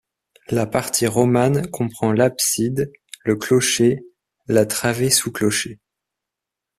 La partie romane comprend l'abside, le clocher, la travée sous clocher.